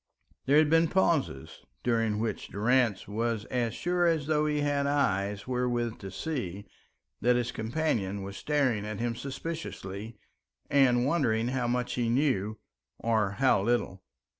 There had been pauses, during which Durrance was as sure as though he had eyes wherewith to see, that his companion was staring at him suspiciously and wondering how much he knew, or how little.